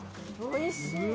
おいしい。